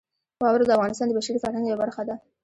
واوره د افغانستان د بشري فرهنګ یوه برخه ده.